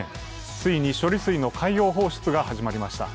ついに処理水の海洋放出が始まりました。